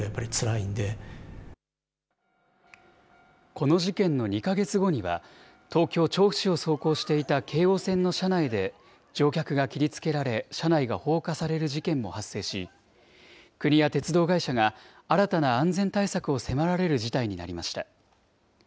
この事件の２か月後には、東京・調布市を走行していた京王線の車内で、乗客が切りつけられ、車内が放火される事件も発生し、国や鉄道会社が新たな安全対策を迫られる事態になりました。